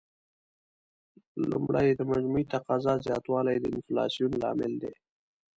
لومړی: د مجموعي تقاضا زیاتوالی د انفلاسیون لامل دی.